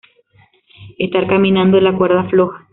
estar caminando en la cuerda floja